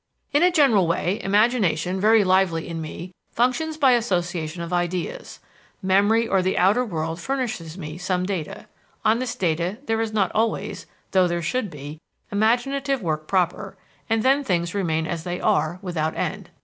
"In a general way, imagination, very lively in me, functions by association of ideas. Memory or the outer world furnishes me some data. On this data there is not always, though there should be, imaginative work proper, and then things remain as they are, without end.